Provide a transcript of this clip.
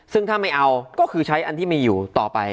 ซึ่งถ้าไม่เอาก็คือใช้อันที่มีอยู่ต่อไป